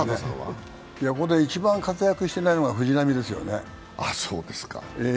一番活躍してないのが藤浪ですよね。